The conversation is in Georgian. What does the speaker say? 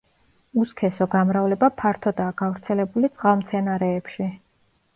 უსქესო გამრავლება ფართოდაა გავრცელებული წყალმცენარეებში.